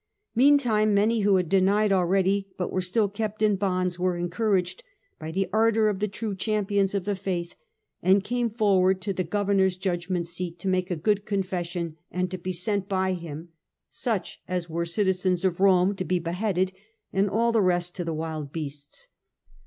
Meantime many who had denied already, but were still kept in bonds, were en couraged by the ardour of the true champions of the faith, and came forward to the governor's judgment seat to make a good confession, and to be sent by him, such as were citizens of Rome, to be beheaded, and all the rest to the wild beasts.